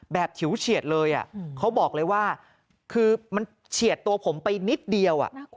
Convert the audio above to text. ฉิวเฉียดเลยเขาบอกเลยว่าคือมันเฉียดตัวผมไปนิดเดียว